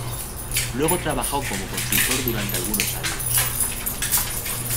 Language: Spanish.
Luego trabajó como consultor durante algunos años.